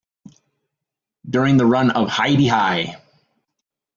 During the run of Hi-de-Hi!